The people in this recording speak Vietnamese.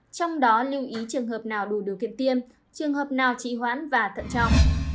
trong đó lưu ý trường hợp nào đủ điều kiện tiêm trường hợp nào trị hoãn và thận trọng